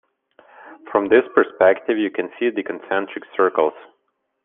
From this perspective you can see the concentric circles.